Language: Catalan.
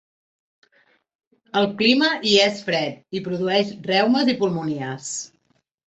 El clima hi és fred, i produeix reumes i pulmonies.